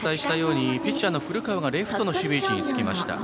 ピッチャーの古川がレフトの守備位置につきました。